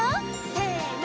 せの！